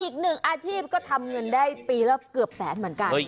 อีกหนึ่งอาชีพก็ทำเงินได้ปีละเกือบแสนเหมือนกัน